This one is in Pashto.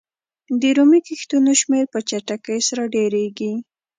د رومي کښتیو شمېر په چټکۍ سره ډېرېږي.